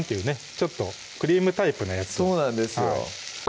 ちょっとクリームタイプのやつそうなんですよ